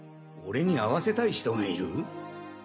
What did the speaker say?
俺に会わせたい人がいる？